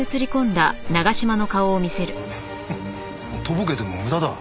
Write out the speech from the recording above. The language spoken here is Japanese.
とぼけても無駄だ。